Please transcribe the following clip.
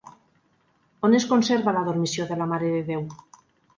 On es conserva la Dormició de la Mare de Déu?